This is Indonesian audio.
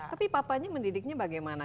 tapi papanya mendidiknya bagaimana